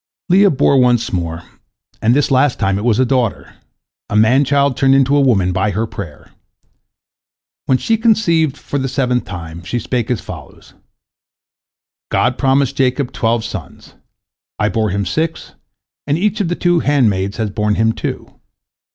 " Leah bore once more, and this last time it was a daughter, a man child turned into a woman by her prayer. When she conceived for the seventh time, she spake as follows: "God promised Jacob twelve sons. I bore him six, and each of the two handmaids has borne him two.